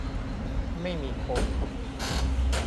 ไม่มีคน